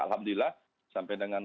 alhamdulillah sampai dengan